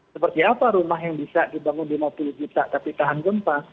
seperti apa rumah yang bisa dibangun lima puluh juta tapi tahan gempa